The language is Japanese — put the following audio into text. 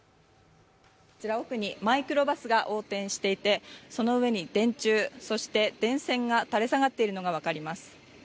こちら奥にマイクロバスが横転していて、その上に電柱、そして電線が垂れ下がっているのが分かります。